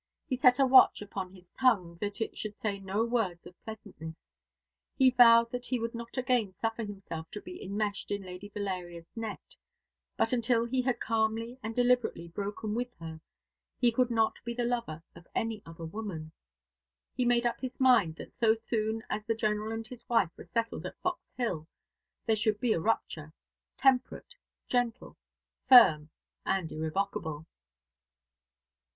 He set a watch upon his tongue that it should say no words of pleasantness. He vowed that he would not again suffer himself to be enmeshed in Lady Valeria's net: but until he had calmly and deliberately broken with her he could not be the lover of any other woman. He made up his mind that so soon as the General and his wife were settled at Fox Hill there should be a rupture temperate, gentle, firm, and irrevocable.